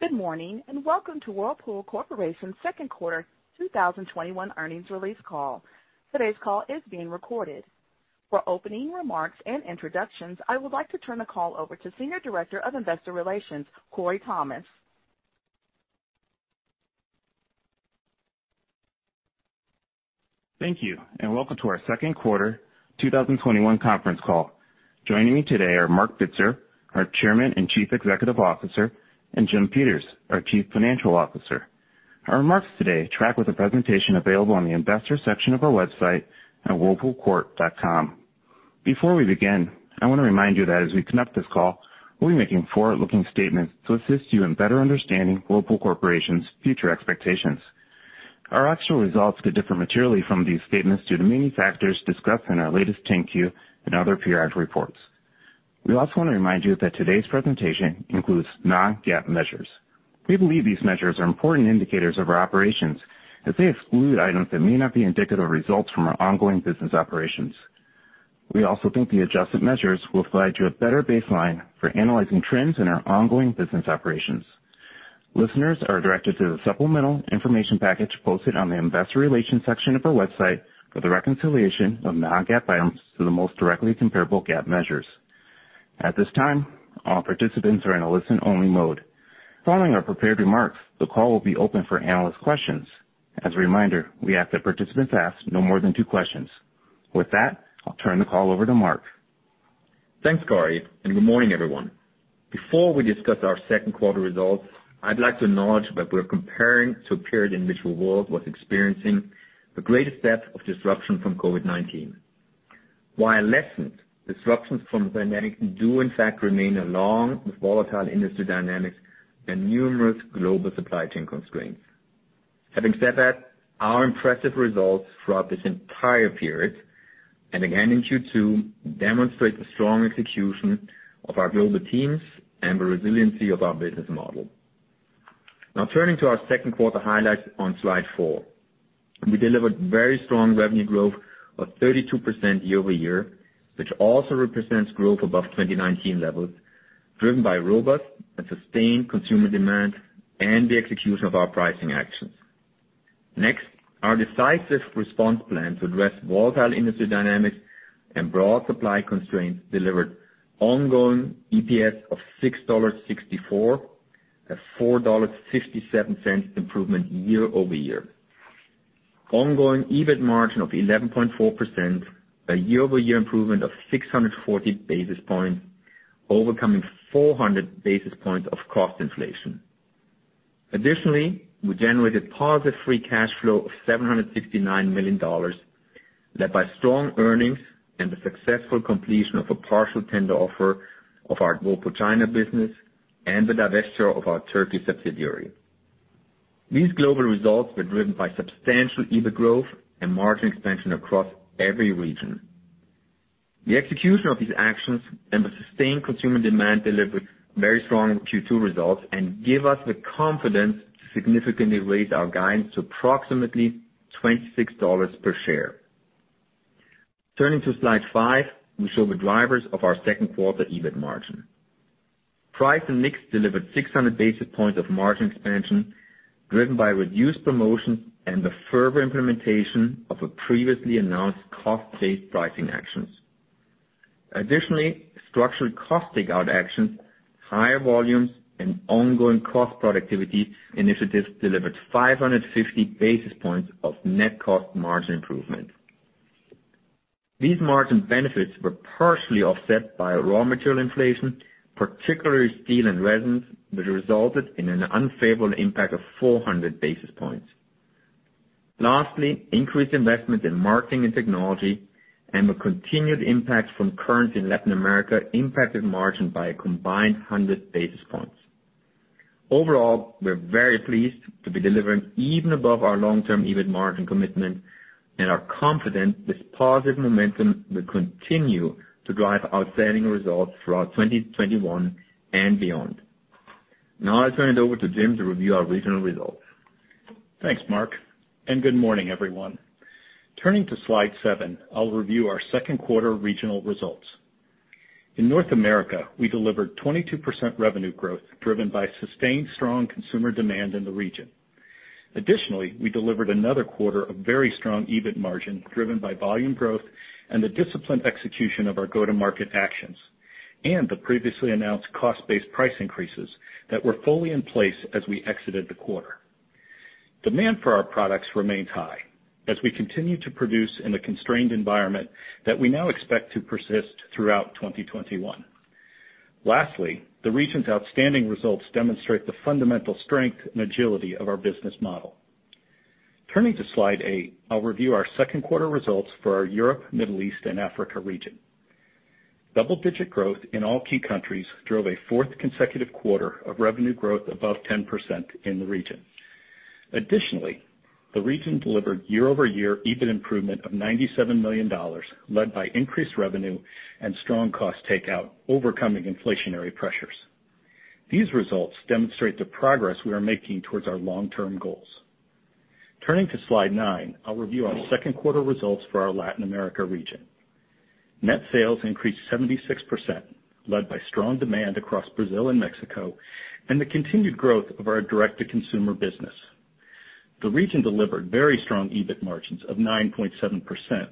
Good morning, welcome to Whirlpool Corporation's Q2 2021 earnings release call. Today's call is being recorded. For opening remarks and introductions, I would like to turn the call over to Senior Director of Investor Relations, Korey Thomas. Thank you, and welcome to our Q2 2021 conference call. Joining me today are Marc Bitzer, our Chairman and Chief Executive Officer, and Jim Peters, our Chief Financial Officer. Our remarks today track with a presentation available on the investor section of our website at whirlpoolcorp.com. Before we begin, I want to remind you that as we conduct this call, we'll be making forward-looking statements to assist you in better understanding Whirlpool Corporation's future expectations. Our actual results could differ materially from these statements due to many factors discussed in our latest 10-Q and other periodic reports. We also want to remind you that today's presentation includes non-GAAP measures. We believe these measures are important indicators of our operations as they exclude items that may not be indicative of results from our ongoing business operations. We also think the adjusted measures will provide you a better baseline for analyzing trends in our ongoing business operations. Listeners are directed to the supplemental information package posted on the investor relations section of our website for the reconciliation of non-GAAP items to the most directly comparable GAAP measures. At this time, all participants are in a listen-only mode. Following our prepared remarks, the call will be open for analyst questions. As a reminder, we ask that participants ask no more than two questions. With that, I'll turn the call over to Marc. Thanks, Korey, and good morning, everyone. Before we discuss our Q2 results, I'd like to acknowledge that we're comparing to a period in which the world was experiencing the greatest depth of disruption from COVID-19. While lessened, disruptions from the pandemic do in fact remain along with volatile industry dynamics and numerous global supply chain constraints. Having said that, our impressive results throughout this entire period, and again in Q2, demonstrate the strong execution of our global teams and the resiliency of our business model. Now, turning to our Q2 highlights on slide four. We delivered very strong revenue growth of 32% year-over-year, which also represents growth above 2019 levels, driven by robust and sustained consumer demand and the execution of our pricing actions. Next, our decisive response plan to address volatile industry dynamics and broad supply constraints delivered ongoing EPS of $6.64, a $4.57 improvement year-over-year. Ongoing EBIT margin of 11.4%, a year-over-year improvement of 640 basis points, overcoming 400 basis points of cost inflation. Additionally, we generated positive free cash flow of $769 million, led by strong earnings and the successful completion of a partial tender offer of our Whirlpool China business and the divestiture of our Turkey subsidiary. These global results were driven by substantial EBIT growth and margin expansion across every region. The execution of these actions and the sustained consumer demand delivered very strong Q2 results and give us the confidence to significantly raise our guidance to approximately $26 per share. Turning to slide five, we show the drivers of our Q2 EBIT margin. Price and mix delivered 600 basis points of margin expansion, driven by reduced promotions and the further implementation of our previously announced cost-based pricing actions. Additionally, structural cost takeout actions, higher volumes, and ongoing cost productivity initiatives delivered 550 basis points of net cost margin improvement. These margin benefits were partially offset by raw material inflation, particularly steel and resins, which resulted in an unfavorable impact of 400 basis points. Lastly, increased investment in marketing and technology and the continued impact from currency in Latin America impacted margin by a combined 100 basis points. Overall, we're very pleased to be delivering even above our long-term EBIT margin commitment and are confident this positive momentum will continue to drive outstanding results throughout 2021 and beyond. Now I turn it over to Jim to review our regional results. Thanks, Marc. Good morning, everyone. Turning to slide seven, I'll review our Q2 regional results. In North America, we delivered 22% revenue growth, driven by sustained strong consumer demand in the region. Additionally, we delivered another quarter of very strong EBIT margin, driven by volume growth and the disciplined execution of our go-to-market actions, and the previously announced cost-based price increases that were fully in place as we exited the quarter. Demand for our products remains high as we continue to produce in a constrained environment that we now expect to persist throughout 2021. Lastly, the region's outstanding results demonstrate the fundamental strength and agility of our business model. Turning to slide eight, I'll review our Q2 results for our Europe, Middle East, and Africa region. Double-digit growth in all key countries drove a fourth consecutive quarter of revenue growth above 10% in the region. Additionally, the region delivered year-over-year EBIT improvement of $97 million, led by increased revenue and strong cost takeout, overcoming inflationary pressures. These results demonstrate the progress we are making towards our long-term goals. Turning to slide nine, I'll review our Q2 results for our Latin America region. Net sales increased 76%, led by strong demand across Brazil and Mexico and the continued growth of our direct-to-consumer business. The region delivered very strong EBIT margins of 9.7%,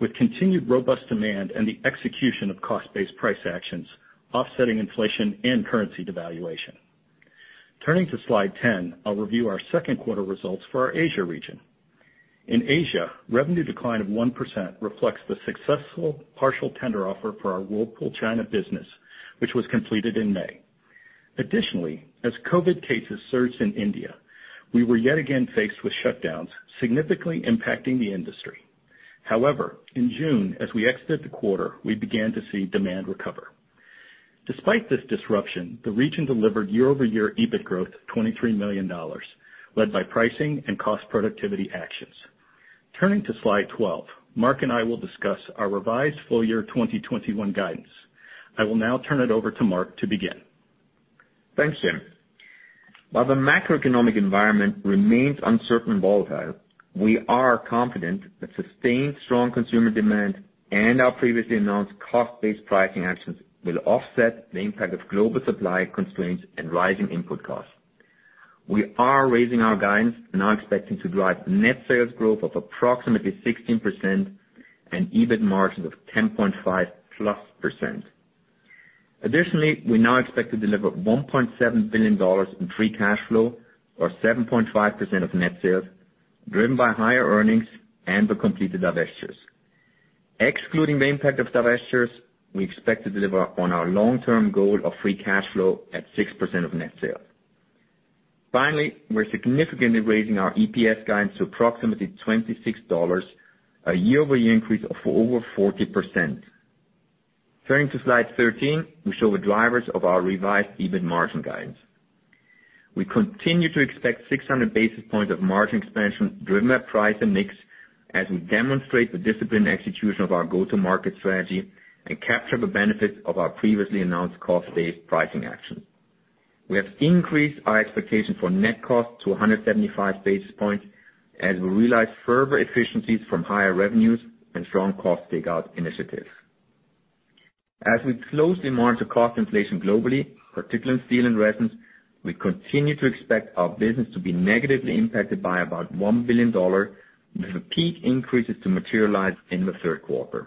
with continued robust demand and the execution of cost-based price actions offsetting inflation and currency devaluation. Turning to slide 10, I'll review our Q2 results for our Asia region. In Asia, revenue decline of 1% reflects the successful partial tender offer for our Whirlpool China business, which was completed in May. Additionally, as COVID cases surged in India, we were yet again faced with shutdowns significantly impacting the industry. However, in June, as we exited the quarter, we began to see demand recover. Despite this disruption, the region delivered year-over-year EBIT growth of $23 million, led by pricing and cost productivity actions. Turning to slide 12, Marc and I will discuss our revised full year 2021 guidance. I will now turn it over to Marc to begin. Thanks, Jim. While the macroeconomic environment remains uncertain and volatile, we are confident that sustained strong consumer demand and our previously announced cost-based pricing actions will offset the impact of global supply constraints and rising input costs. We are raising our guidance, now expecting to drive net sales growth of approximately 16% and EBIT margins of 10.5+%. Additionally, we now expect to deliver $1.7 billion in free cash flow or 7.5% of net sales, driven by higher earnings and the completed divestitures. Excluding the impact of divestitures, we expect to deliver on our long-term goal of free cash flow at 6% of net sales. Finally, we're significantly raising our EPS guidance to approximately $26, a year-over-year increase of over 40%. Turning to slide 13, we show the drivers of our revised EBIT margin guidance. We continue to expect 600 basis points of margin expansion driven by price and mix, as we demonstrate the disciplined execution of our go-to-market strategy and capture the benefits of our previously announced cost-based pricing action. We have increased our expectation for net cost to 175 basis points as we realize further efficiencies from higher revenues and strong cost takeout initiatives. As we closely monitor cost inflation globally, particularly in steel and resins, we continue to expect our business to be negatively impacted by about $1 billion, with the peak increases to materialize in the Q3.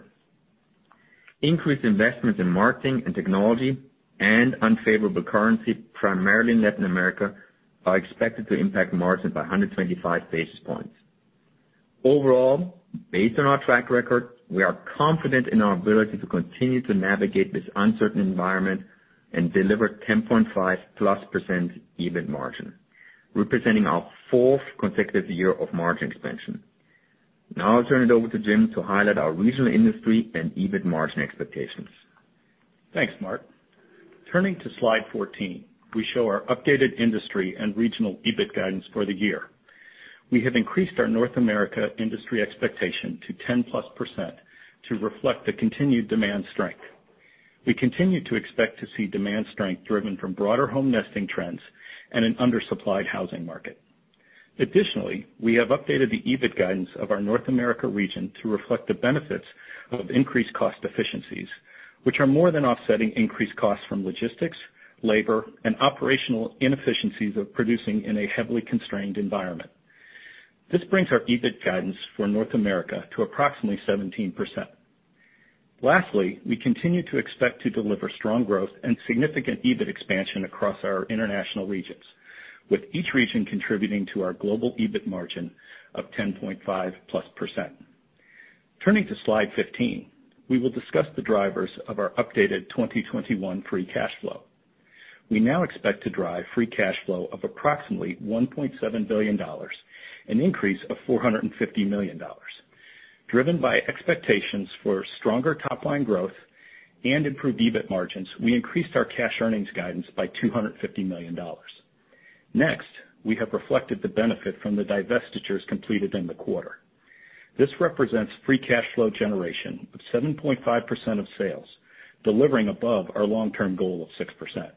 Increased investments in marketing and technology and unfavorable currency, primarily in Latin America, are expected to impact margins by 125 basis points. Overall, based on our track record, we are confident in our ability to continue to navigate this uncertain environment and deliver 10.5+% EBIT margin, representing our fourth consecutive year of margin expansion. I'll turn it over to Jim to highlight our regional industry and EBIT margin expectations. Thanks, Marc. Turning to slide 14, we show our updated industry and regional EBIT guidance for the year. We have increased our North America industry expectation to 10+% to reflect the continued demand strength. We continue to expect to see demand strength driven from broader home nesting trends and an undersupplied housing market. Additionally, we have updated the EBIT guidance of our North America region to reflect the benefits of increased cost efficiencies, which are more than offsetting increased costs from logistics, labor, and operational inefficiencies of producing in a heavily constrained environment. This brings our EBIT guidance for North America to approximately 17%. Lastly, we continue to expect to deliver strong growth and significant EBIT expansion across our international regions, with each region contributing to our global EBIT margin of 10.5+%. Turning to slide 15, we will discuss the drivers of our updated 2021 free cash flow. We now expect to drive free cash flow of approximately $1.7 billion, an increase of $450 million. Driven by expectations for stronger top-line growth and improved EBIT margins, we increased our cash earnings guidance by $250 million. We have reflected the benefit from the divestitures completed in the quarter. This represents free cash flow generation of 7.5% of sales, delivering above our long-term goal of 6%.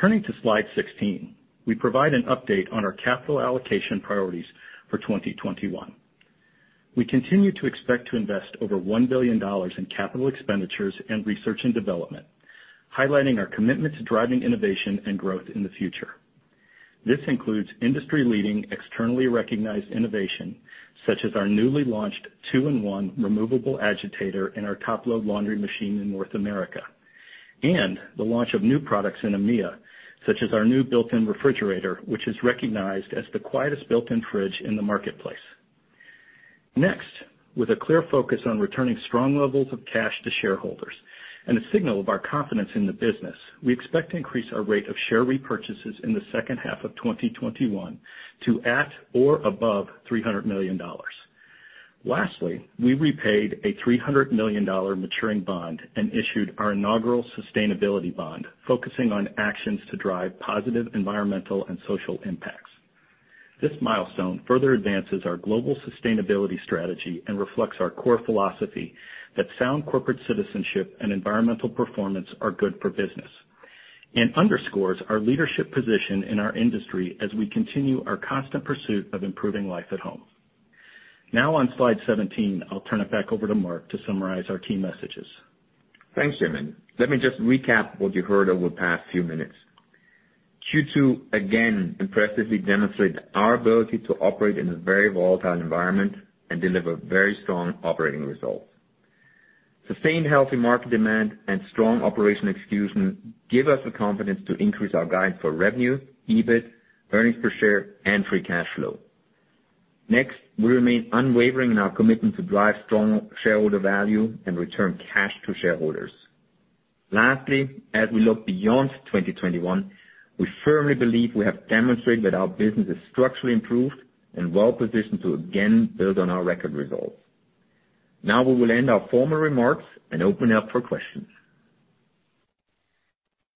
Turning to slide 16, we provide an update on our capital allocation priorities for 2021. We continue to expect to invest over $1 billion in capital expenditures and research and development, highlighting our commitment to driving innovation and growth in the future. This includes industry-leading, externally recognized innovation, such as our newly launched 2 in 1 Removable Agitator in our top-load laundry machine in North America, and the launch of new products in EMEA, such as our new built-in refrigerator, which is recognized as the quietest built-in fridge in the marketplace. Next, with a clear focus on returning strong levels of cash to shareholders and a signal of our confidence in the business, we expect to increase our rate of share repurchases in the H2 of 2021 to at or above $300 million. Lastly, we repaid a $300 million maturing bond and issued our inaugural sustainability bond focusing on actions to drive positive environmental and social impacts. This milestone further advances our global sustainability strategy and reflects our core philosophy that sound corporate citizenship and environmental performance are good for business. Underscores our leadership position in our industry as we continue our constant pursuit of improving life at home. Now on slide 17, I'll turn it back over to Marc to summarize our key messages. Thanks, Jim. Let me just recap what you heard over the past few minutes. Q2, again, impressively demonstrated our ability to operate in a very volatile environment and deliver very strong operating results. Sustained healthy market demand and strong operational execution give us the confidence to increase our guidance for revenue, EBIT, earnings per share, and free cash flow. Next, we remain unwavering in our commitment to drive strong shareholder value and return cash to shareholders. Lastly, as we look beyond 2021, we firmly believe we have demonstrated that our business is structurally improved and well-positioned to again build on our record results. Now we will end our formal remarks and open it up for questions.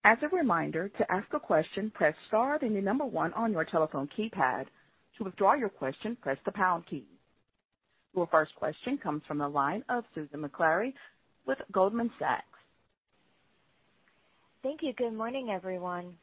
As a reminder, to ask a question, press star, then the number one on your telephone keypad. To withdraw your question, press the pound key. Your first question comes from the line of Susan Maklari with Goldman Sachs. Thank you. Good morning, everyone,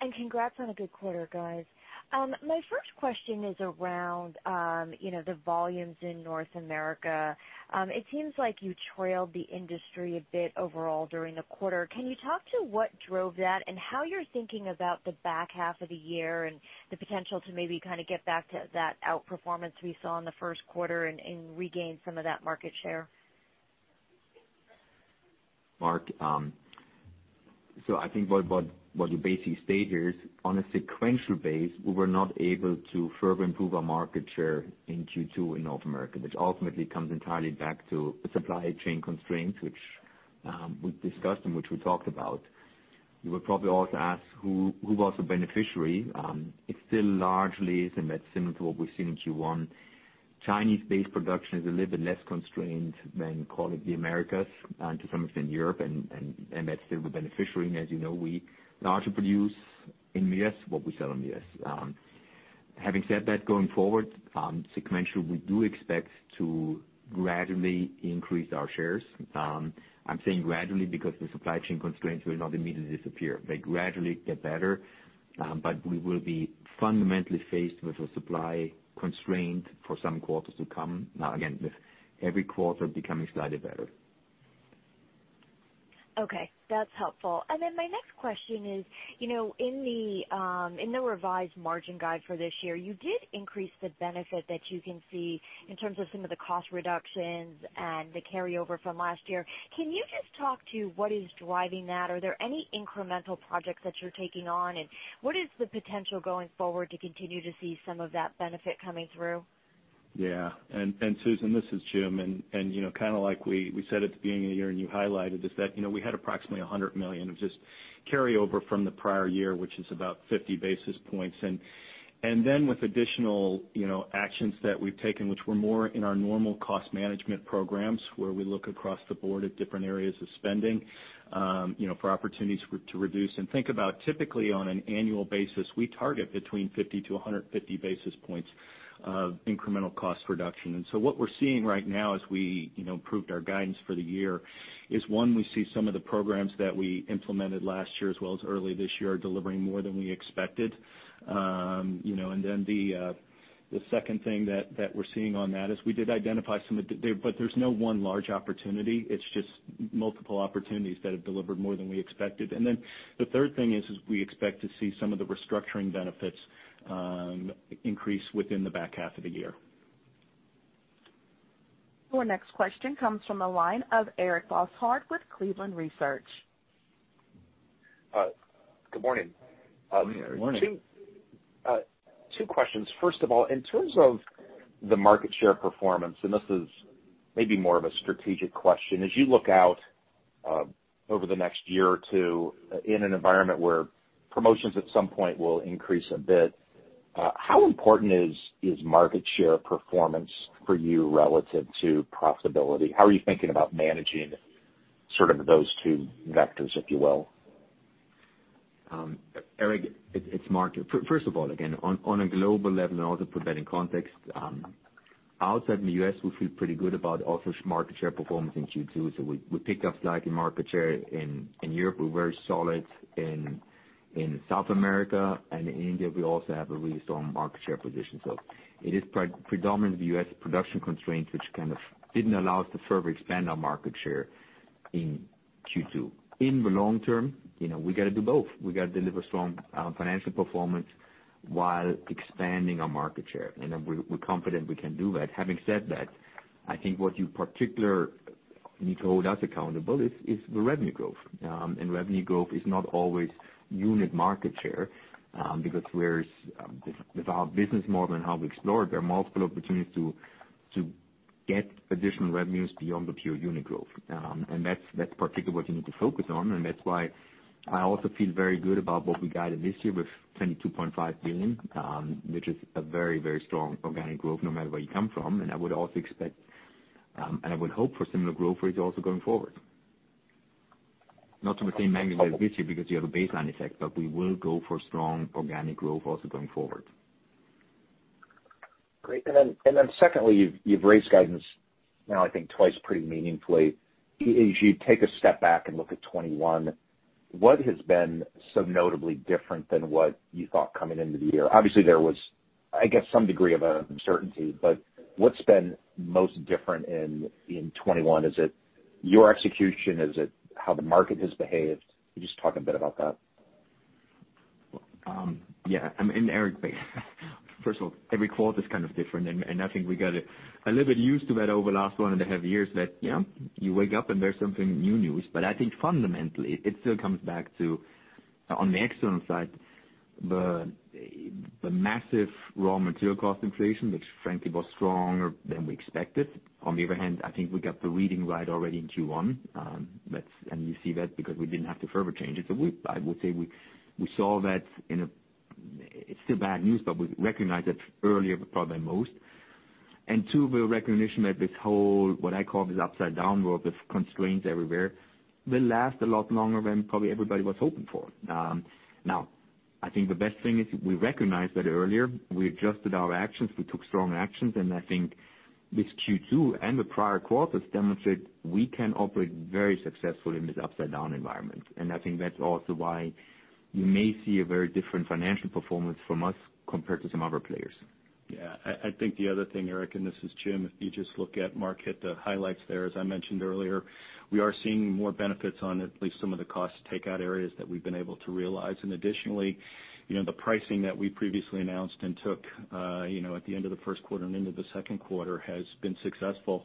and congrats on a good quarter, guys. My first question is around the volumes in North America. It seems like you trailed the industry a bit overall during the quarter. Can you talk to what drove that and how you're thinking about the back half of the year and the potential to maybe kind of get back to that outperformance we saw in the Q1 and regain some of that market share? Marc. I think what you basically state here is, on a sequential base, we were not able to further improve our market share in Q2 in North America, which ultimately comes entirely back to supply chain constraints, which we've discussed and which we talked about. You will probably also ask who was the beneficiary. It's still largely similar to what we've seen in Q1. Chinese-based production is a little bit less constrained than, call it, the Americas, and to some extent Europe, and that's still the beneficiary. As you know, we largely produce in the U.S. what we sell in the U.S. Having said that, going forward, sequentially, we do expect to gradually increase our shares. I'm saying gradually because the supply chain constraints will not immediately disappear. They gradually get better, but we will be fundamentally faced with a supply constraint for some quarters to come. Now, again, with every quarter becoming slightly better. Okay, that's helpful. My next question is, in the revised margin guide for this year, you did increase the benefit that you can see in terms of some of the cost reductions and the carryover from last year. Can you just talk to what is driving that? Are there any incremental projects that you're taking on, and what is the potential going forward to continue to see some of that benefit coming through? Yeah. Susan, this is Jim, like we said at the beginning of the year, you highlighted, we had approximately $100 million of just carryover from the prior year, which is about 50 basis points. With additional actions that we've taken, which were more in our normal cost management programs, where we look across the board at different areas of spending for opportunities to reduce. Think about typically on an annual basis, we target between 50-150 basis points of incremental cost reduction. What we're seeing right now as we improved our guidance for the year is, one, we see some of the programs that we implemented last year as well as early this year are delivering more than we expected. The second thing that we're seeing on that is we did identify some, but there's no one large opportunity. It's just multiple opportunities that have delivered more than we expected. The third thing is we expect to see some of the restructuring benefits increase within the back half of the year. Your next question comes from the line of Eric Bosshard with Cleveland Research Company. Good morning. Good morning, Eric. Two questions. First of all, in terms of the market share performance, and this is maybe more of a strategic question. As you look out over the next year or two in an environment where promotions at some point will increase a bit, how important is market share performance for you relative to profitability? How are you thinking about managing sort of those two vectors, if you will? Eric, it's Marc. First of all, again, on a global level, I want to put that in context, outside the U.S., we feel pretty good about also market share performance in Q2. We picked up slightly market share in Europe. We're very solid in South America and in India. We also have a really strong market share position. It is predominantly the U.S. production constraints which kind of didn't allow us to further expand our market share in Q2. In the long term, we got to do both. We got to deliver strong financial performance while expanding our market share, and we're confident we can do that. Having said that, I think what you particular need to hold us accountable is the revenue growth. Revenue growth is not always unit market share, because with our business model and how we explore, there are multiple opportunities to get additional revenues beyond the pure unit growth. That's particularly what you need to focus on, and that's why I also feel very good about what we guided this year with $22.5 billion, which is a very, very strong organic growth no matter where you come from. I would also expect, and I would hope for similar growth rates also going forward. Not to the same magnitude as this year, because you have a baseline effect, but we will go for strong organic growth also going forward. Great. Secondly, you've raised guidance now I think twice pretty meaningfully. As you take a step back and look at 2021, what has been so notably different than what you thought coming into the year? Obviously, there was, I guess, some degree of uncertainty, but what's been most different in 2021? Is it your execution? Is it how the market has behaved? Can you just talk a bit about that? Yeah. Eric, first of all, every quarter is kind of different, and I think we got a little bit used to that over the last 1.5 years that you wake up and there's some new news. I think fundamentally, it still comes back to, on the external side, the massive raw material cost inflation, which frankly, was stronger than we expected. On the other hand, I think we got the reading right already in Q1. You see that because we didn't have to further change it. I would say we saw that it's still bad news, but we recognized that earlier probably than most. Two, the recognition that this whole, what I call this upside-down world with constraints everywhere, will last a lot longer than probably everybody was hoping for. I think the best thing is we recognized that earlier. We adjusted our actions. We took strong actions. I think this Q2 and the prior quarters demonstrate we can operate very successfully in this upside-down environment. I think that's also why you may see a very different financial performance from us compared to some other players. I think the other thing, Eric, and this is Jim Peters, if you just look at Marc Bitzer hit the highlights there, as I mentioned earlier. We are seeing more benefits on at least some of the cost takeout areas that we've been able to realize. Additionally, the pricing that we previously announced and took at the end of the Q1 and into the Q2 has been successful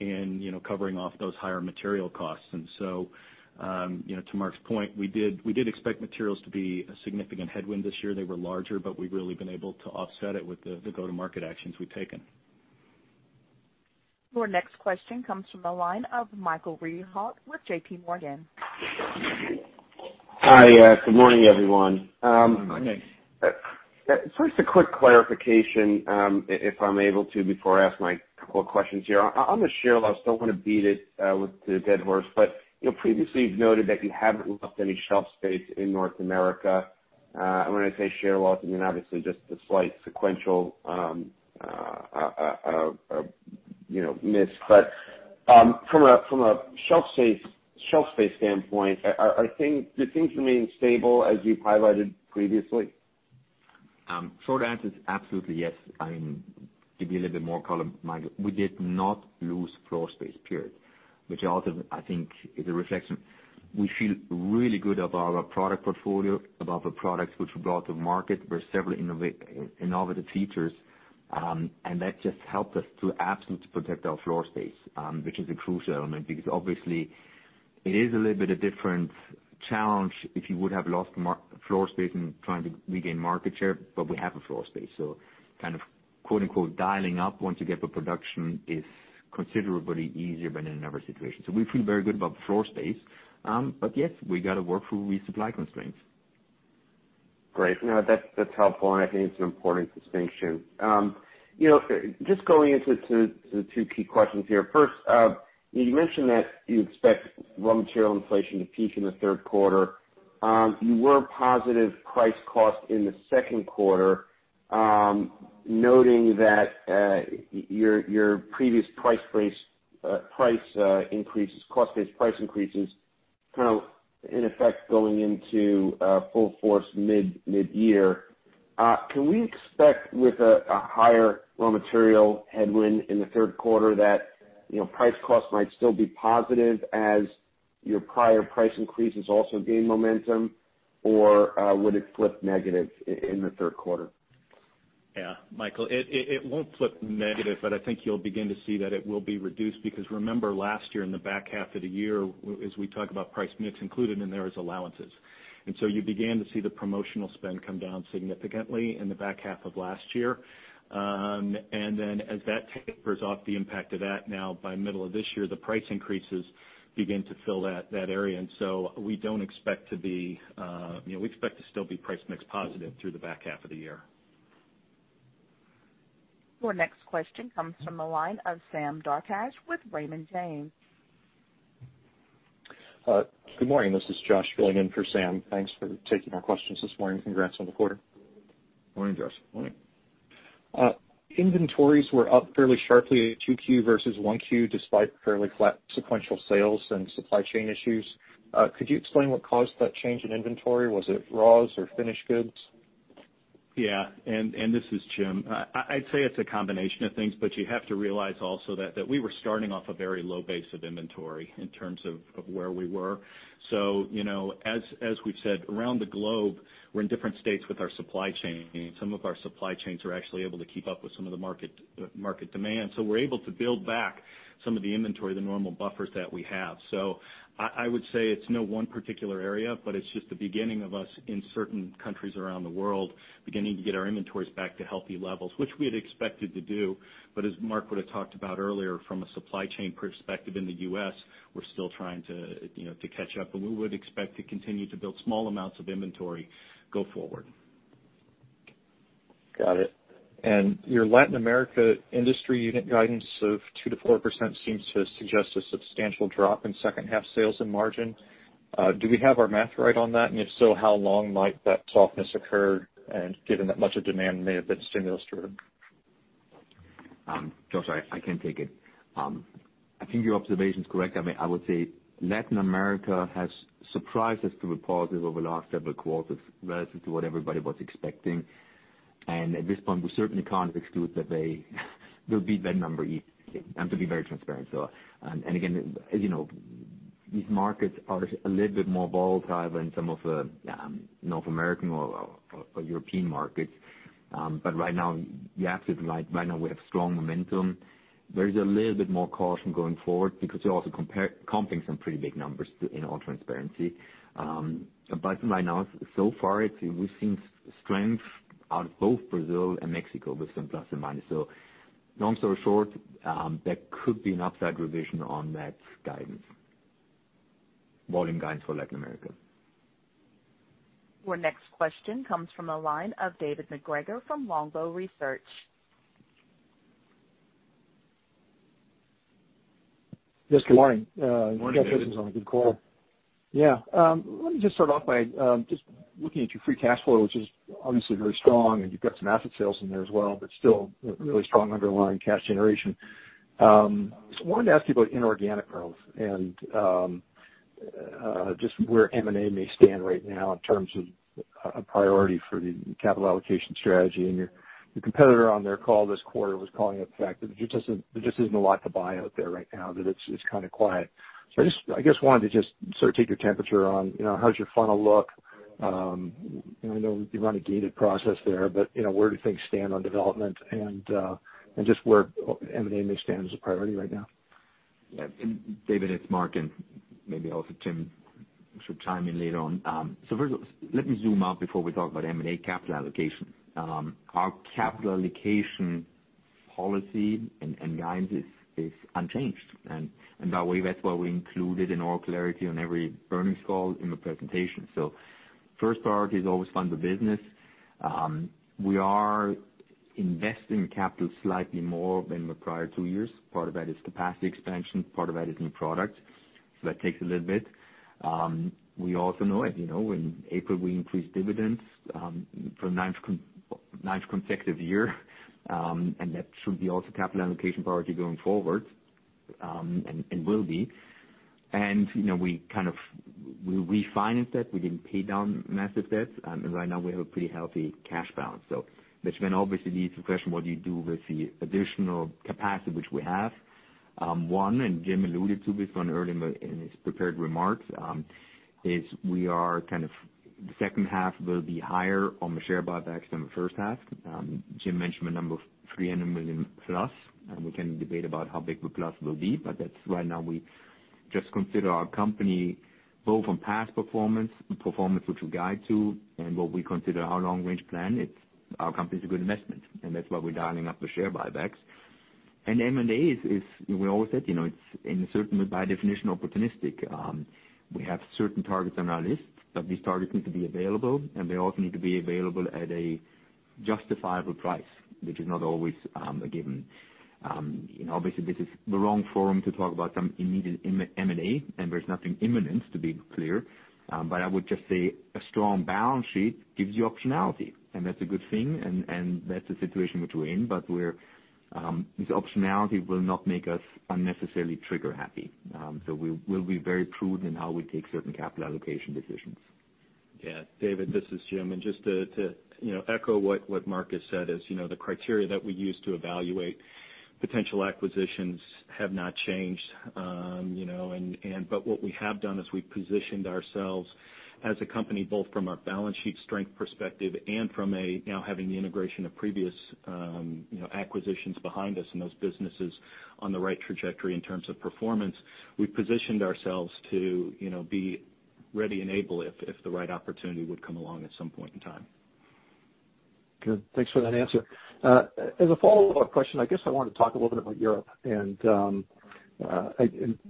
in covering off those higher material costs. To Marc Bitzer's point, we did expect materials to be a significant headwind this year. They were larger, we've really been able to offset it with the go-to-market actions we've taken. Your next question comes from the line of Michael Rehaut with J.P. Morgan. Hi. Good morning, everyone. Good morning. Morning. First, a quick clarification, if I'm able to, before I ask my couple of questions here. On the share loss, don't want to beat it with the dead horse, previously, you've noted that you haven't lost any shelf space in North America. When I say share loss, I mean obviously just the slight sequential miss. From a shelf space standpoint, did things remain stable as you've highlighted previously? Short answer is absolutely yes. To be a little bit more calm, Michael, we did not lose floor space, period, which also, I think, is a reflection. We feel really good about our product portfolio, about the products which we brought to market with several innovative features. That just helped us to absolutely protect our floor space, which is a crucial element, because obviously, it is a little bit a different challenge if you would have lost floor space and trying to regain market share, but we have a floor space. Kind of "dialing up" once you get the production is considerably easier than in another situation. We feel very good about the floor space. Yes, we got to work through resupply constraints. Great. No, that's helpful, and I think it's an important distinction. Just going into the two key questions here. First, you mentioned that you expect raw material inflation to peak in the Q3. You were positive price cost in the Q2, noting that your previous price increases, cost-based price increases, in effect going into full force mid-year. Can we expect with a higher raw material headwind in the Q3 that price cost might still be positive as your prior price increases also gain momentum? Or would it flip negative in the Q3? Yeah. Michael, it won't flip negative, but I think you'll begin to see that it will be reduced because remember last year in the back half of the year, as we talk about price mix included in there is allowances. You began to see the promotional spend come down significantly in the back half of last year. As that tapers off the impact of that now by middle of this year, the price increases begin to fill that area. We expect to still be price mix positive through the back half of the year. Your next question comes from the line of Sam Darkatsh with Raymond James. Good morning. This is Josh filling in for Sam. Thanks for taking our questions this morning. Congrats on the quarter. Morning, Josh. Morning. Inventories were up fairly sharply at 2Q versus 1Q despite fairly flat sequential sales and supply chain issues. Could you explain what caused that change in inventory? Was it raws or finished goods? Yeah. This is Jim. I'd say it's a combination of things, but you have to realize also that we were starting off a very low base of inventory in terms of where we were. As we've said, around the globe, we're in different states with our supply chain. Some of our supply chains are actually able to keep up with some of the market demand. We're able to build back some of the inventory, the normal buffers that we have. I would say it's no one particular area, but it's just the beginning of us in certain countries around the world beginning to get our inventories back to healthy levels, which we had expected to do. As Marc would have talked about earlier, from a supply chain perspective in the U.S., we're still trying to catch up, and we would expect to continue to build small amounts of inventory go forward. Got it. Your Latin America industry unit guidance of 2%-4% seems to suggest a substantial drop in H2 sales and margin. Do we have our math right on that? If so, how long might that softness occur, and given that much of demand may have been stimulus-driven? Josh, I can take it. I think your observation is correct. I would say Latin America has surprised us through positive over the last several quarters relative to what everybody was expecting. At this point, we certainly can't exclude that they will beat that number easily, and to be very transparent. And again, as you know, these markets are a little bit more volatile than some of the North American or European markets. Right now, we have strong momentum. There is a little bit more caution going forward because you're also comping some pretty big numbers in all transparency. Right now, so far we've seen strength out of both Brazil and Mexico with some plus or minus. Long story short, there could be an upside revision on that volume guidance for Latin America. Your next question comes from the line of David MacGregor from Longbow Research. Yes, good morning. Good morning, David. Sounds like this is on a good call. Yeah. Let me just start off by just looking at your free cash flow, which is obviously very strong, and you've got some asset sales in there as well, but still really strong underlying cash generation. I wanted to ask you about inorganic growth and just where M&A may stand right now in terms of a priority for the capital allocation strategy and your competitor on their call this quarter was calling it the fact that there just isn't a lot to buy out there right now, that it's kind of quiet. I just wanted to just take your temperature on how does your funnel look? I know you run a gated process there, but where do things stand on development and just where M&A may stand as a priority right now? Yeah. David, it's Marc, and maybe also Jim should chime in later on. First, let me zoom out before we talk about M&A capital allocation. Our capital allocation policy and guidance is unchanged, and that's why we include it in all clarity on every earnings call in the presentation. The first priority is always fund the business. We are investing capital slightly more than the prior two years. Part of that is capacity expansion, part of that is new products. That takes a little bit. We also know, as you know, in April, we increased dividends for the ninth consecutive year, and that should be also a capital allocation priority going forward, and will be. We refinanced that. We didn't pay down massive debts. Right now, we have a pretty healthy cash balance. Which then obviously leads to the question, what do you do with the additional capacity which we have? One, and Jim alluded to this one early in his prepared remarks, is the H2 will be higher on the share buybacks than the H1. Jim mentioned the number of $300 million plus, and we can debate about how big the plus will be, but that's why now we just consider our company both on past performance, the performance which we guide to, and what we consider our long-range plan. Our company is a good investment, and that's why we're dialing up the share buybacks. M&A is, we always said, it's certainly by definition, opportunistic. We have certain targets on our list, but these targets need to be available, and they also need to be available at a justifiable price, which is not always a given. Obviously, this is the wrong forum to talk about some immediate M&A, and there's nothing imminent, to be clear. I would just say a strong balance sheet gives you optionality, and that's a good thing, and that's the situation which we're in. This optionality will not make us unnecessarily trigger-happy. We'll be very prudent in how we take certain capital allocation decisions. David, this is Jim, just to echo what Marc has said is the criteria that we use to evaluate potential acquisitions have not changed. What we have done is we've positioned ourselves as a company, both from our balance sheet strength perspective and from now having the integration of previous acquisitions behind us and those businesses on the right trajectory in terms of performance. We've positioned ourselves to be ready and able if the right opportunity would come along at some point in time. Good. Thanks for that answer. As a follow-up question, I guess I want to talk a little bit about Europe and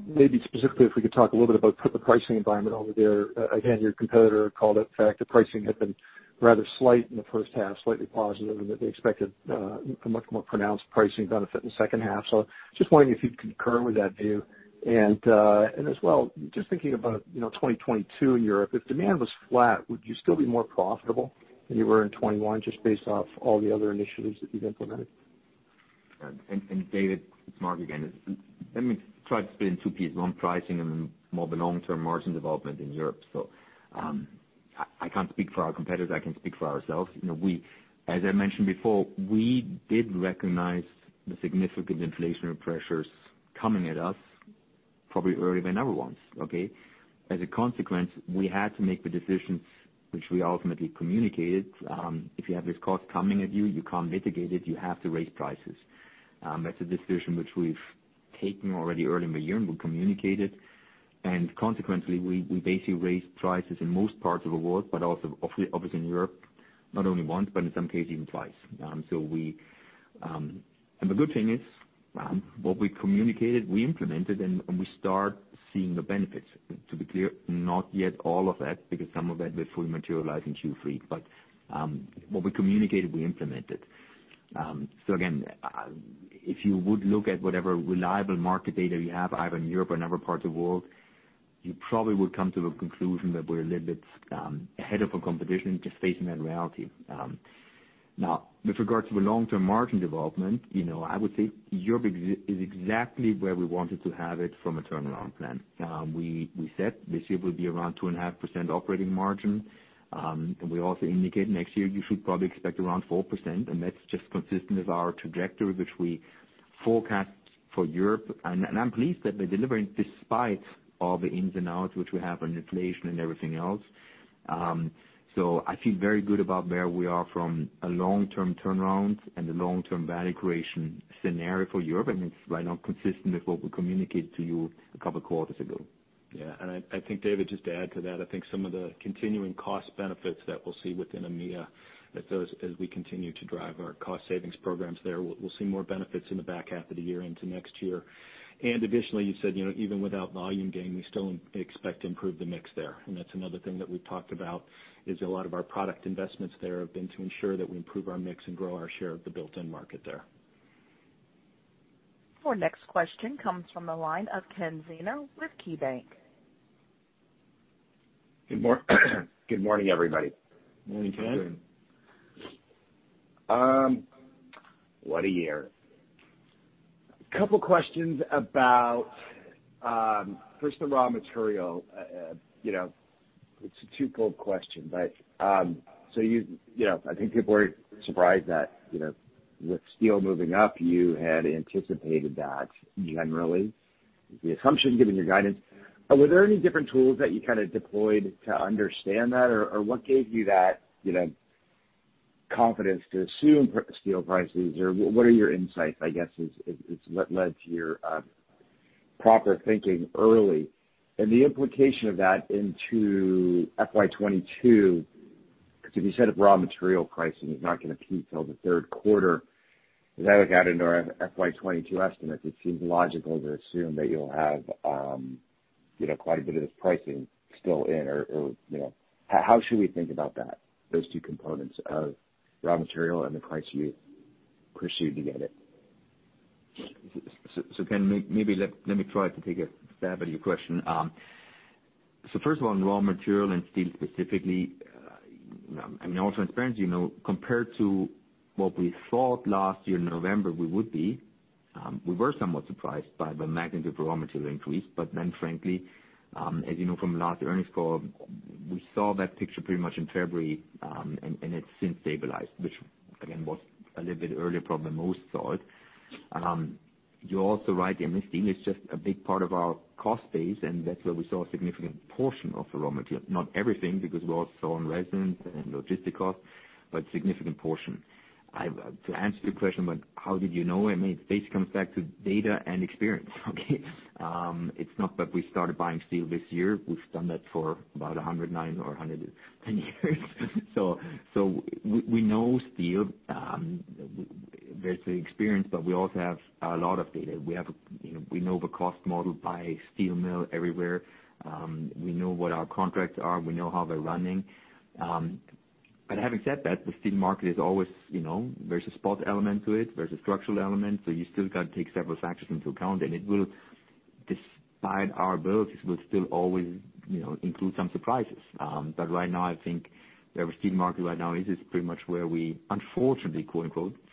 maybe specifically if we could talk a little bit about the pricing environment over there. Again, your competitor called it the fact that pricing had been rather slight in the H1, slightly positive, and that they expected a much more pronounced pricing benefit in the H2. Just wondering if you'd concur with that view. As well, just thinking about 2022 in Europe, if demand was flat, would you still be more profitable than you were in 2021, just based off all the other initiatives that you've implemented? David, it's Marc again. Let me try to split it in two pieces. One, pricing, and more the long-term margin development in Europe. I can't speak for our competitors. I can speak for ourselves. As I mentioned before, we did recognize the significant inflationary pressures coming at us probably earlier than other ones. Okay. As a consequence, we had to make the decisions which we ultimately communicated. If you have this cost coming at you can't mitigate it. You have to raise prices. That's a decision which we've taken already early in the year, and we communicated, and consequently, we basically raised prices in most parts of the world, but also obviously in Europe, not only once, but in some cases even twice. The good thing is what we communicated, we implemented, and we start seeing the benefits. To be clear, not yet all of that, because some of that will fully materialize in Q3. What we communicated, we implemented. Again, if you would look at whatever reliable market data you have, either in Europe or in other parts of the world, you probably would come to the conclusion that we're a little bit ahead of our competition, just facing that reality. Now, with regard to the long-term margin development, I would say Europe is exactly where we wanted to have it from a turnaround plan. We said this year will be around 2.5% operating margin. We also indicate next year you should probably expect around 4%, and that's just consistent with our trajectory, which we forecast for Europe. I'm pleased that we're delivering despite all the ins and outs which we have on inflation and everything else. I feel very good about where we are from a long-term turnaround and the long-term value creation scenario for Europe. I mean, it's right on consistent with what we communicated to you a couple of quarters ago. Yeah. I think, David, just to add to that, I think some of the continuing cost benefits that we'll see within EMEA as we continue to drive our cost savings programs there, we'll see more benefits in the back half of the year into next year. Additionally, you said, even without volume gain, we still expect to improve the mix there. That's another thing that we've talked about, is a lot of our product investments there have been to ensure that we improve our mix and grow our share of the built-in market there. Our next question comes from the line of Ken Zener with KeyBanc. Good morning, everybody. Morning, Ken. Morning. What a year. A couple questions about, first the raw material. It's a two-fold question. I think people were surprised that with steel moving up, you had anticipated that generally. The assumption given your guidance. Were there any different tools that you deployed to understand that? What gave you that confidence to assume steel prices? What are your insights, I guess, is what led to your proper thinking early and the implication of that into FY 2022? If you said a raw material pricing is not going to peak till the Q3, as I look out into our FY 2022 estimates, it seems logical to assume that you'll have quite a bit of this pricing still in or how should we think about that, those two components of raw material and the price you pursued to get it? Ken, maybe let me try to take a stab at your question. First of all, in raw material and steel specifically, I mean, all transparency, compared to what we thought last year in November we would be, we were somewhat surprised by the magnitude of raw material increase. Frankly, as you know from last earnings call, we saw that picture pretty much in February, and it's since stabilized, which again, was a little bit earlier probably than most thought. You're also right, I mean, steel is just a big part of our cost base, and that's where we saw a significant portion of the raw material, not everything, because we also saw it in resin and logistic cost, but significant portion. To answer your question about how did you know, I mean, it basically comes back to data and experience, okay? It's not that we started buying steel this year. We've done that for about 109 or 110 years. We know steel, basically experience, but we also have a lot of data. We know the cost model by steel mill everywhere. We know what our contracts are. We know how they're running. Having said that, the steel market is always, there's a spot element to it, there's a structural element, so you still got to take several factors into account, and it will, despite our abilities, will still always include some surprises. Right now, I think where the steel market right now is pretty much where we "unfortunately"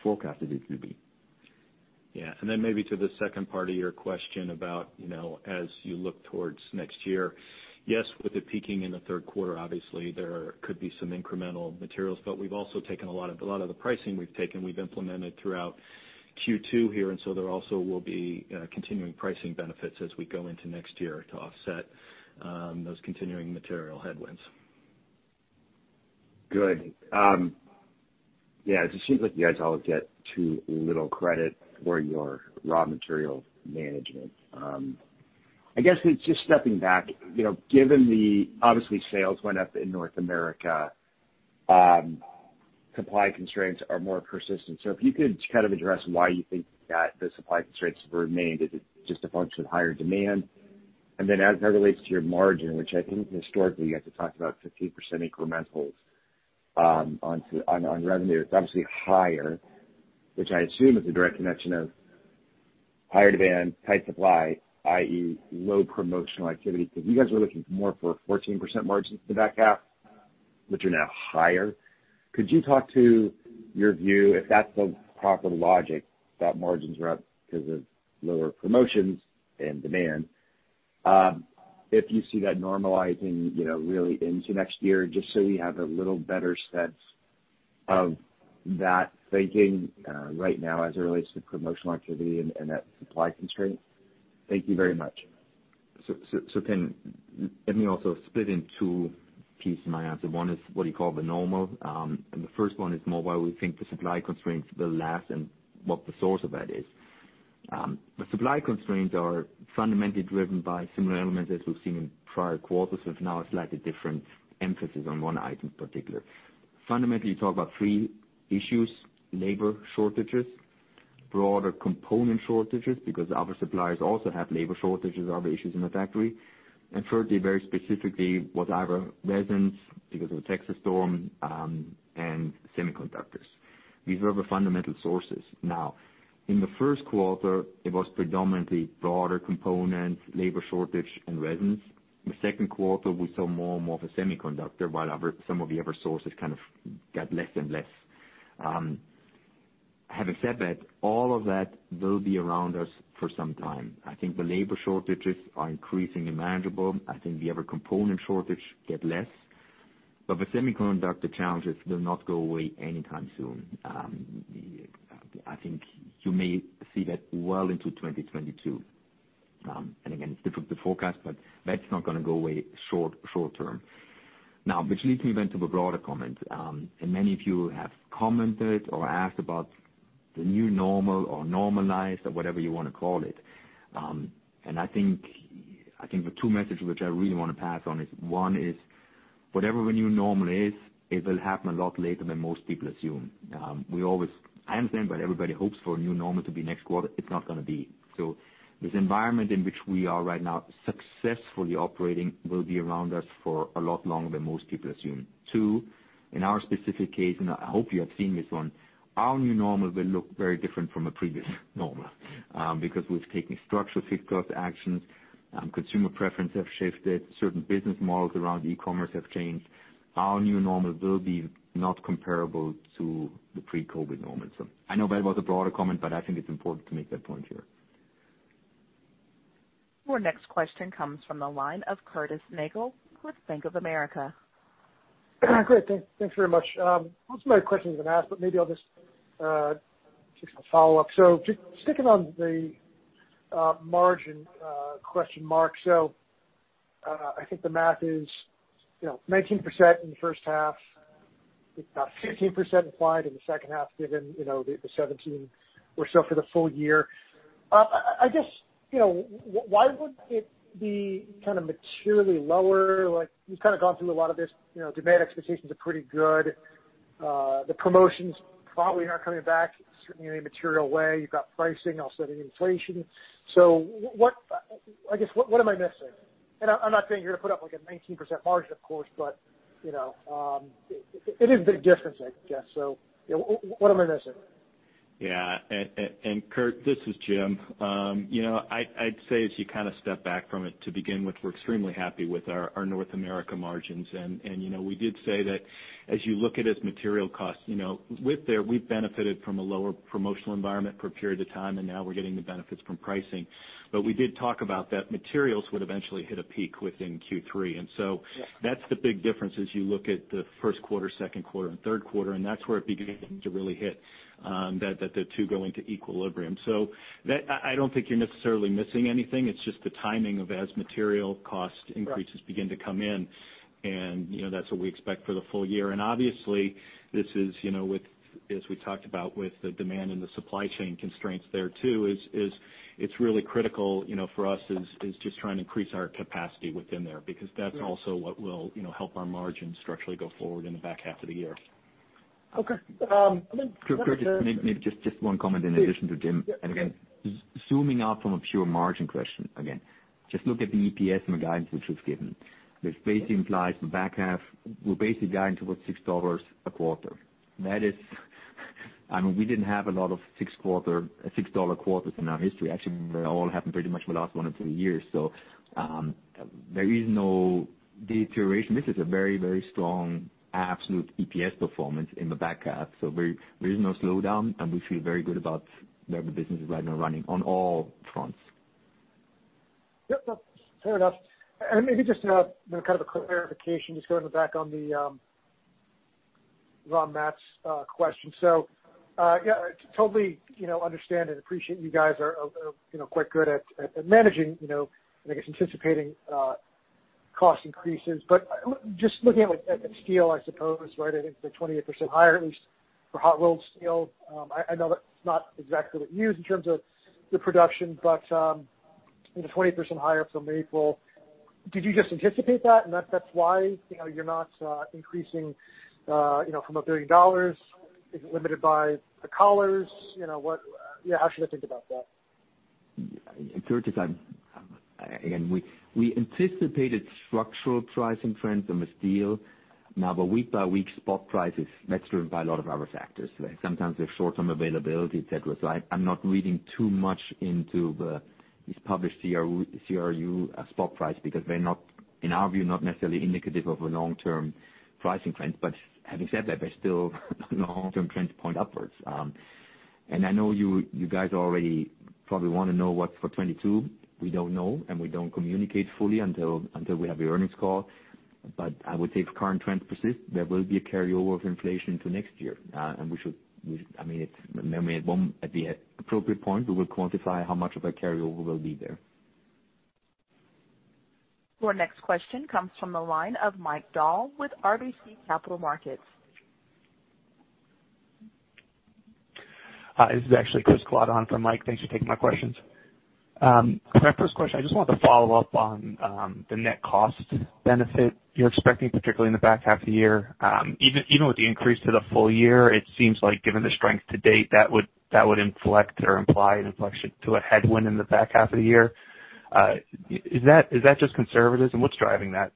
forecasted it will be. Yeah. Then maybe to the second part of your question about as you look towards next year. Yes, with it peaking in the Q3, obviously there could be some incremental materials, but a lot of the pricing we've taken, we've implemented throughout Q2 here, so there also will be continuing pricing benefits as we go into next year to offset those continuing material headwinds. Good. Yeah, it just seems like you guys all get too little credit for your raw material management. I guess with just stepping back, obviously sales went up in North America. Supply constraints are more persistent. If you could kind of address why you think that the supply constraints have remained. Is it just a function of higher demand? As that relates to your margin, which I think historically you guys have talked about 15% incrementals on revenue. It's obviously higher, which I assume is a direct connection of higher demand, tight supply, i.e., low promotional activity, because you guys were looking more for 14% margins in the back half, which are now higher. Could you talk to your view, if that's the proper logic, that margins are up because of lower promotions and demand? If you see that normalizing really into next year, just so we have a little better sense of that thinking right now as it relates to promotional activity and that supply constraint. Thank you very much. Ken, let me also split in two pieces in my answer. One is what you call the normal. The first one is more why we think the supply constraints will last and what the source of that is. The supply constraints are fundamentally driven by similar elements as we've seen in prior quarters, with now a slightly different emphasis on one item particular. Fundamentally, you talk about three issues, labor shortages, broader component shortages because other suppliers also have labor shortages, other issues in the factory. Thirdly, very specifically, weather, resins because of the Texas storm, and semiconductors. These were the fundamental sources. Now, in the Q1, it was predominantly broader components, labor shortage, and resins. The Q2, we saw more and more of a semiconductor, while some of the other sources kind of got less and less. Having said that, all of that will be around us for some time. I think the labor shortages are increasingly manageable. I think the other component shortage get less, but the semiconductor challenges will not go away anytime soon. I think you may see that well into 2022. Again, it's difficult to forecast, but that's not going to go away short-term. Now, which leads me then to the broader comment. Many of you have commented or asked about the new normal or normalized or whatever you want to call it. I think the two messages which I really want to pass on is, one is, whatever the new normal is, it will happen a lot later than most people assume. I understand, but everybody hopes for a new normal to be next quarter. It's not going to be. This environment in which we are right now successfully operating will be around us for a lot longer than most people assume. Two, in our specific case, I hope you have seen this one, our new normal will look very different from a previous normal. We've taken structural fixed cost actions, consumer preference have shifted, certain business models around e-commerce have changed. Our new normal will be not comparable to the pre-COVID normal. I know that was a broader comment, I think it's important to make that point here. Our next question comes from the line of Curtis Nagle with Bank of America. Great. Thanks very much. Most of my questions have been asked, but maybe I'll just a follow-up. Just sticking on the margin question, Marc. I think the math is 19% in the H1. It's about 15% applied in the H2, given the 17% or so for the full year. I guess, why would it be materially lower? Like, you've kind of gone through a lot of this. Demand expectations are pretty good. The promotions probably aren't coming back certainly in a material way. You've got pricing, also the inflation. I guess, what am I missing? I'm not saying you're going to put up like a 19% margin, of course, but it is a big difference, I guess. What am I missing? Yeah. Curt, this is Jim. I'd say as you kind of step back from it, to begin with, we're extremely happy with our North America margins. We did say that as you look at it as material costs, with there, we've benefited from a lower promotional environment for a period of time, and now we're getting the benefits from pricing. We did talk about that materials would eventually hit a peak within Q3. Yeah That's the big difference as you look at the Q1, Q2, and Q3. That's where it begins to really hit, that the two go into equilibrium. I don't think you're necessarily missing anything. It's just the timing of as material cost increases. Right begin to come in and that's what we expect for the full year. Obviously, this is with, as we talked about with the demand and the supply chain constraints there too, is it's really critical for us is just trying to increase our capacity within there, because that's also what will help our margin structurally go forward in the back half of the year. Okay. I think. Curtis, maybe just one comment in addition to Jim. Please. Yeah. Again, zooming out from a pure margin question, again, just look at the EPS and the guidance which we've given, which basically implies the back half, we're basically guiding towards $6 a quarter. That is, I mean, we didn't have a lot of $6 quarters in our history. Actually, they all happened pretty much in the last one or two years. There is no deterioration. This is a very, very strong absolute EPS performance in the back half. There is no slowdown, and we feel very good about where the business is right now running on all fronts. Yep. Fair enough. Maybe just a kind of a clarification, just going back on the raw mats question. Yeah, totally understand and appreciate you guys are quite good at managing and I guess, anticipating cost increases. Just looking at steel, I suppose, right? I think they're 28% higher, at least for hot rolled steel. I know that's not exactly what you use in terms of your production, 20% higher from April. Did you just anticipate that and that's why you're not increasing from $1 billion? Is it limited by the collars? How should I think about that? Curtis, again, we anticipated structural pricing trends on the steel. The week by week spot prices, that's driven by a lot of other factors. Sometimes there's short-term availability, et cetera. I'm not reading too much into these published CRU spot price because they're not, in our view, not necessarily indicative of a long-term pricing trend. Having said that, there's still long-term trends point upwards. I know you guys already probably want to know what's for 2022. We don't know, and we don't communicate fully until we have the earnings call. I would say if current trends persist, there will be a carryover of inflation to next year. I mean, maybe at the appropriate point, we will quantify how much of a carryover will be there. Your next question comes from the line of Mike Dahl with RBC Capital Markets. Hi. This is actually Chris Kalata for Mike. Thanks for taking my questions. My first question, I just wanted to follow up on the net cost benefit you're expecting, particularly in the back half of the year. Even with the increase to the full year, it seems like given the strength to date, that would inflect or imply an inflection to a headwind in the back half of the year. Is that just conservatism? What's driving that?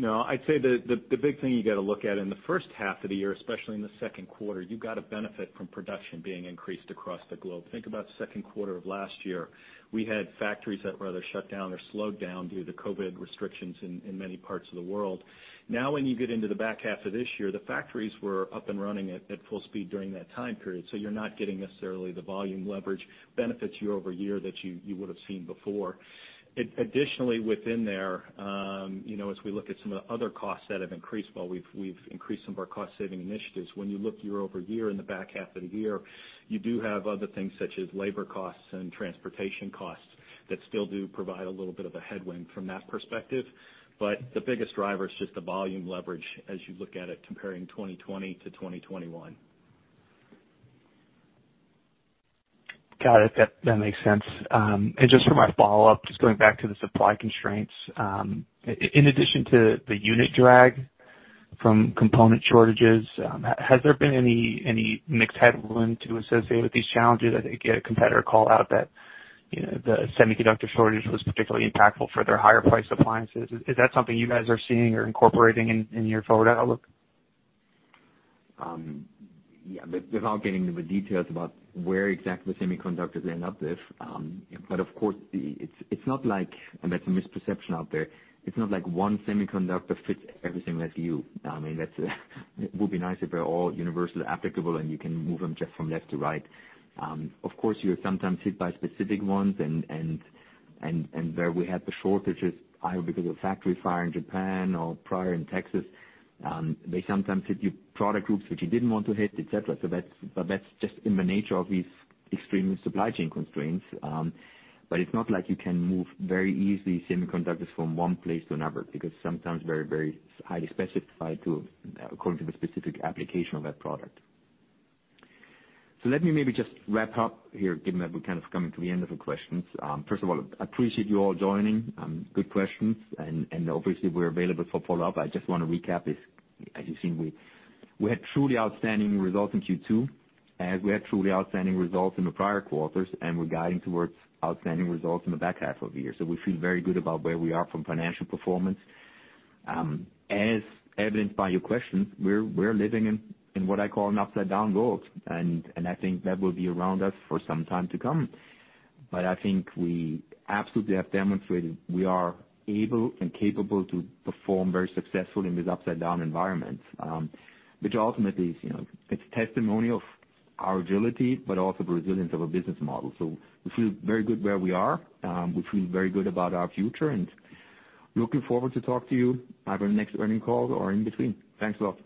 I'd say the big thing you got to look at in the H1 of the year, especially in the Q2, you got a benefit from production being increased across the globe. Think about the Q2 of last year, we had factories that were either shut down or slowed down due to COVID-19 restrictions in many parts of the world. When you get into the back half of this year, the factories were up and running at full speed during that time period. You're not getting necessarily the volume leverage benefits year-over-year that you would've seen before. Additionally, within there, as we look at some of the other costs that have increased while we've increased some of our cost-saving initiatives, when you look year-over-year in the back half of the year, you do have other things such as labor costs and transportation costs that still do provide a little bit of a headwind from that perspective. The biggest driver is just the volume leverage as you look at it comparing 2020 to 2021. Got it. That makes sense. Just for my follow-up, just going back to the supply constraints, in addition to the unit drag from component shortages, has there been any mix headwind to associate with these challenges? I think a competitor called out that the semiconductor shortage was particularly impactful for their higher-priced appliances. Is that something you guys are seeing or incorporating in your forward outlook? Yeah. Without getting into the details about where exactly the semiconductors end up. Of course, it's not like, and that's a misperception out there, it's not like one semiconductor fits every SKU. It would be nice if they're all universally applicable. You can move them just from left to right. Of course, you're sometimes hit by specific ones. Where we had the shortages, either because of a factory fire in Japan or prior in Texas, they sometimes hit your product groups which you didn't want to hit, et cetera. That's just in the nature of these extreme supply chain constraints. It's not like you can move very easily semiconductors from 1 place to another, because sometimes very highly specified according to the specific application of that product. Let me maybe just wrap up here, given that we're kind of coming to the end of the questions. First of all, appreciate you all joining. Good questions, and obviously, we're available for follow-up. I just want to recap this. As you've seen, we had truly outstanding results in Q2, as we had truly outstanding results in the prior quarters, and we're guiding towards outstanding results in the back half of the year. We feel very good about where we are from financial performance. As evidenced by your questions, we're living in what I call an upside-down world, and I think that will be around us for some time to come. I think we absolutely have demonstrated we are able and capable to perform very successfully in these upside-down environments, which ultimately is a testimony of our agility, but also the resilience of our business model. We feel very good where we are. We feel very good about our future, and looking forward to talk to you at our next earnings call or in between. Thanks a lot.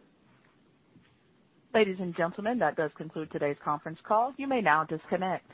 Ladies and gentlemen, that does conclude today's conference call. You may now disconnect.